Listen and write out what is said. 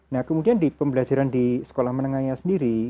nah kemudian di pembelajaran di sekolah menengahnya sendiri